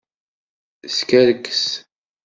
Skerkes.